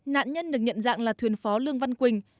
nạn nhân được nhận dạng là thuyền phó lương văn quỳnh